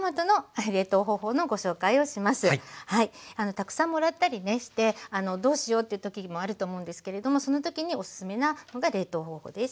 たくさんもらったりねしてどうしようっていう時もあると思うんですけれどもその時におすすめなのが冷凍方法です。